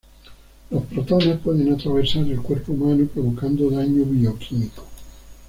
Los protones pueden atravesar el cuerpo humano, provocando daño bioquímico.